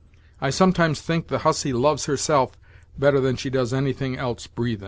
I sometimes think the hussy loves herself better than she does anything else breathin'."